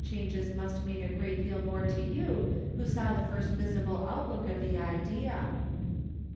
changes must mean a great deal more to you who saw the first visible outlook of the idea."